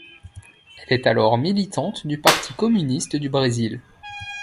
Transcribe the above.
Elle est alors militante du Parti communiste du Brésil.